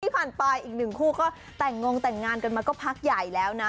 ผ่านไปอีกหนึ่งคู่ก็แต่งงแต่งงานกันมาก็พักใหญ่แล้วนะ